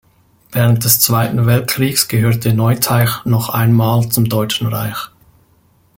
Während des Zweiten Weltkriegs gehörte Neuteich noch einmal zum Deutschen Reich.